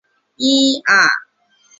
本作歌词同时存在英文版本。